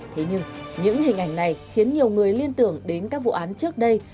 thế nhưng những hình ảnh này khiến nhiều người liên tưởng đến các vụ án trước đây